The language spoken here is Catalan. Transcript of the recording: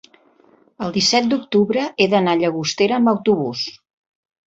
el disset d'octubre he d'anar a Llagostera amb autobús.